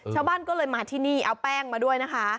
ชาวบ้านก็เลยมาที่นี่เอาแป้งมาด้วยนะคะ